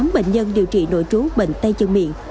một trăm năm mươi tám bệnh nhân điều trị nội trú bệnh tay chân miệng